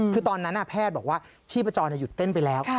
คือตอนนั้นแพทย์บอกว่าชีพจรหยุดเต้นไปแล้ว